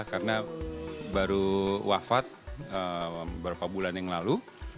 karena baru wafat beberapa bulan yang lalu